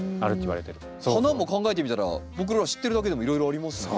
花も考えてみたら僕ら知ってるだけでもいろいろありますもんね。